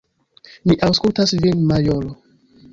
Mi aŭskultas vin, majoro!